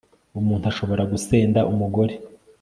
umuntu ashobora gusenda umugore